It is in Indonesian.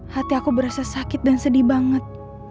hati aku berasa sakit dan sedih banget